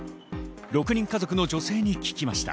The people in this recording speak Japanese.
６人家族の女性に聞きました。